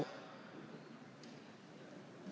แล้ว